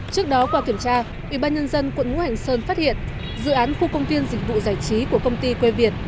trước đó qua kiểm tra ủy ban nhân dân quận ngu hành sơn phát hiện dự án khu công viên dịch vụ giải trí của công ty quê việt